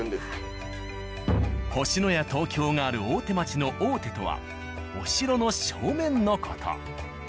「星のや東京」がある大手町の「大手」とはお城の正面の事。